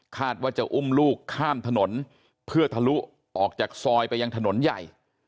ว่าจะอุ้มลูกข้ามถนนเพื่อทะลุออกจากซอยไปยังถนนใหญ่